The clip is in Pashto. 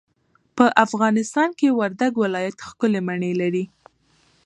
په افغانستان کي وردګ ولايت ښکلې مڼې لري.